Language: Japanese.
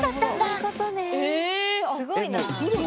すごいなあ。